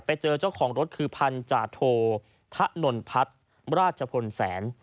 ไปเจอเจ้าของรถคือพันธาโทธนนพัฒน์ราชพลแสน